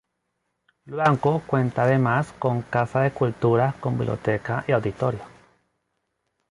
Luanco cuenta además con Casa de Cultura con biblioteca y auditorio.